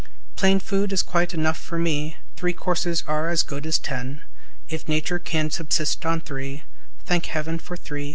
Plain food is quite enough for me; Three courses are as good as ten; If Nature can subsist on three, Thank Heaven for three.